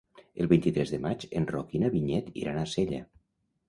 El vint-i-tres de maig en Roc i na Vinyet iran a Sella.